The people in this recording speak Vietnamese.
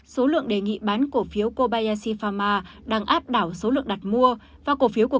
số lượng đề nghị bán cổ phiếu kobayashifama đang áp đảo số lượng đặt mua và cổ phiếu của